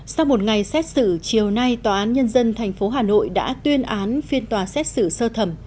sau một ngày xét xử chiều nay tòa án nhân dân tp hà nội đã tuyên án phiên tòa xét xử sơ thẩm